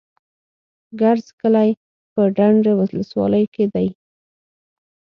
کرز کلی په ډنډ ولسوالۍ کي دی.